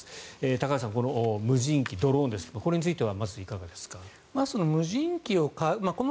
高橋さん無人機、ドローンですがこれについてはまずいかがですか？